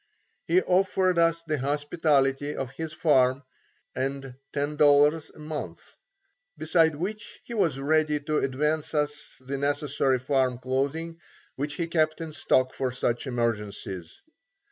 He offered us the hospitality of his farm and $10.00 a month, beside which he was ready to advance us the necessary farm clothing which he kept in stock for such emergencies.